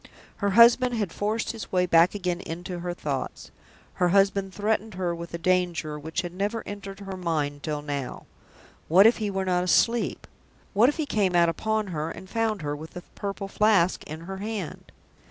Her husband had forced his way back again into her thoughts; her husband threatened her with a danger which had never entered her mind till now. What if he were not asleep? What if he came out upon her, and found her with the Purple Flask in her hand?